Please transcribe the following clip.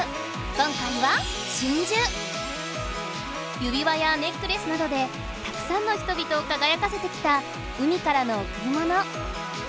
今回はゆびわやネックレスなどでたくさんの人びとをかがやかせてきた海からのおくりもの。